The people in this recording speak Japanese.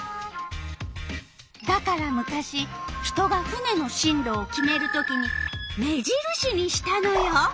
だから昔人が船のしん路を決める時に目印にしたのよ。